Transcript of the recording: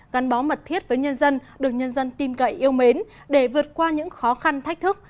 gắn bó mật thiết với nhân dân được nhân dân tin cậy yêu mến để vượt qua những khó khăn thách thức